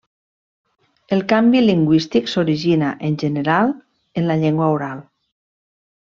El canvi lingüístic s'origina, en general, en la llengua oral.